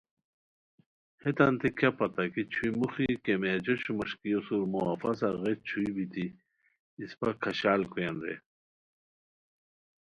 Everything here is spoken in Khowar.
ہیتانتے کیا پتہ کی چھوئی موخی کیمیا جوشو مݰکیسورمو افسہ غیچ چھوئے بیتی اِسپہ کھشال کویان رے